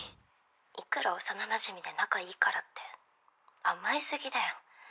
いくら幼なじみで仲いいからって甘え過ぎだよ。